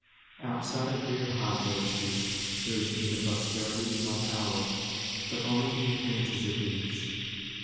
Outside of real heart virtue there is neither prosperity nor power, but only the appearances of these.